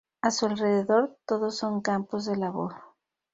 A su alrededor todo son campos de labor.